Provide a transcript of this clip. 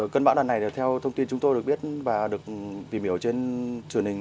cơn bão lần này theo thông tin chúng tôi được biết và được tìm hiểu trên truyền hình